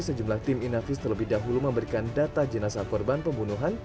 sejumlah tim inavis terlebih dahulu memberikan data jenazah korban pembunuhan